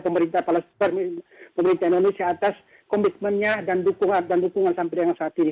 serta pemerintah indonesia atas komitmennya dan dukungan sampai dengan saat ini